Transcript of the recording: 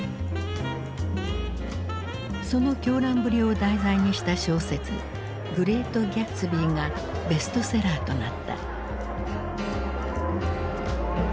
その狂乱ぶりを題材にした小説「グレート・ギャツビー」がベストセラーとなった。